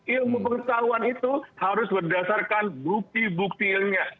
ilmu pengetahuan itu harus berdasarkan bukti bukti ilmiah